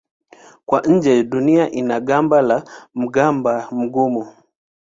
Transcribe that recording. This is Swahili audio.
Kwa nje Dunia ina gamba la mwamba mgumu.